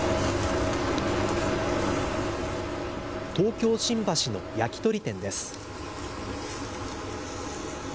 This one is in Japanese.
東京新橋の焼き鳥店です。